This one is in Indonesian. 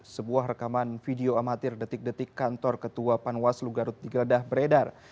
sebuah rekaman video amatir detik detik kantor ketua panwaslu garut digeledah beredar